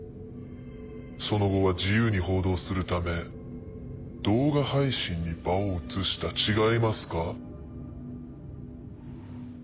その後は自由に報道するため動画配信に場を移した違いますか？